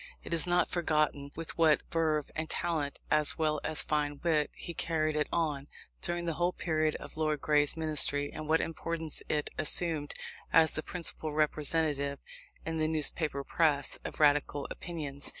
It is not forgotten with what verve and talent, as well as fine wit, he carried it on, during the whole period of Lord Grey's Ministry, and what importance it assumed as the principal representative, in the newspaper press, of Radical opinions.